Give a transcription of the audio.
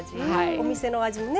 お店の味にね。